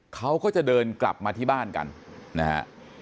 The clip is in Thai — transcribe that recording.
เขาก็จะเดินกลับมาที่บ้านกันนะฮะ